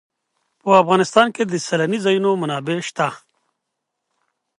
په افغانستان کې د سیلانی ځایونه منابع شته.